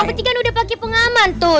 sampai sekarang udah pake pengaman tuh